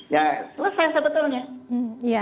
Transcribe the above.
ya selesai sebetulnya